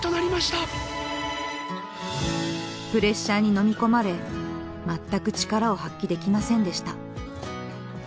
プレッシャーにのみ込まれ全く力を発揮できませんでした。